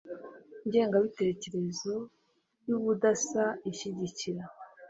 Ingengabitekerezo y ubudasa ishyigikira